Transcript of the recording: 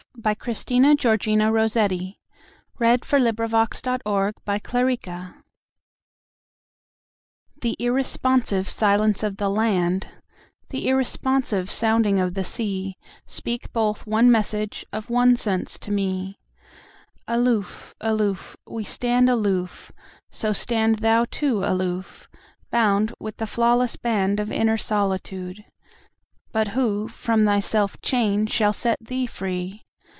Christina Georgina Rossetti. 1830–1894 788. Aloof THE irresponsive silence of the land, The irresponsive sounding of the sea, Speak both one message of one sense to me:— Aloof, aloof, we stand aloof, so stand Thou too aloof, bound with the flawless band 5 Of inner solitude; we bind not thee; But who from thy self chain shall set thee free?